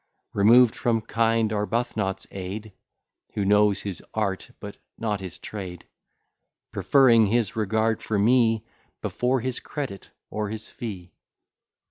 Removed from kind Arbuthnot's aid, Who knows his art, but not his trade, Preferring his regard for me Before his credit, or his fee.